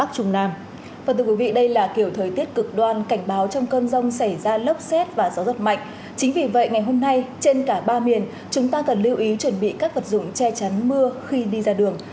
chính vì vậy ngày hôm nay trên cả ba miền chúng ta cần lưu ý chuẩn bị các vật dụng che chắn mưa khi đi ra đường